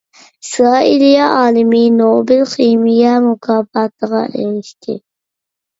ئىسرائىلىيە ئالىمى نوبېل خىمىيە مۇكاپاتىغا ئېرىشتى.